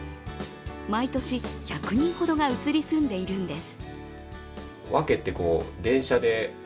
毎年１００人ほどが移り住んでいるんです。